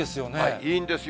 いいんですよ。